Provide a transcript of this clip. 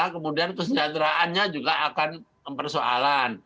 kemudian kesejahteraannya juga akan mempersoalan